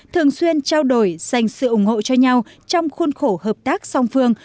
thường xuyên trao đổi dành sự ủng hộ cho nhau trong khuôn khổ hợp tác song phương